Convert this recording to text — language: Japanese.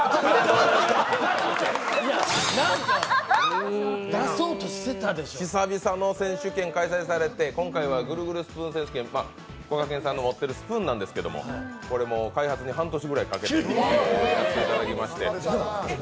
うーん久々の選手権が開催されて今回はぐるぐるスプーン選手権、こがけんさんの持ってるスプーンなんですけど開発に半年ぐらいかけていただきまして。